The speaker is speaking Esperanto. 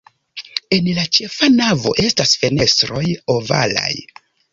En la ĉefa navo estas fenestroj ovalaj.